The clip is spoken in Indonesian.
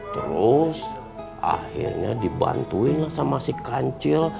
terus akhirnya dibantuinlah sama si kancil